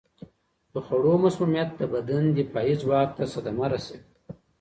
د خوړو مسمومیت د بدن دفاعي ځواک ته صدمه رسوي.